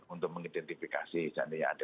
untuk mengidentifikasi seandainya ada